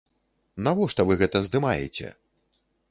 Навошта вы гэта здымаеце?